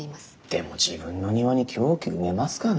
でも自分の庭に凶器埋めますかね？